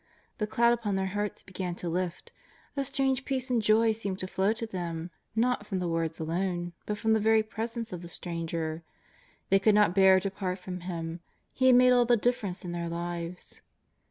The cloud upon their hearts began to lift. A strange peace and joy seemed to flow to them, not from the words alone, but from the very Presence of the Stranger. They could not bear to part from Him; He had made all the difference in their lives.